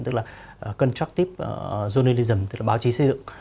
tức là constructive journalism tức là báo chí xây dựng